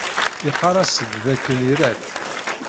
Iqarr-as-d dakken ira-tt.